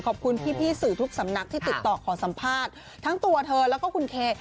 ขอบคุณพี่สื่อทุกสำนักที่ติดต่อขอสัมภาษณ์ทั้งตัวเธอแล้วก็คุณเค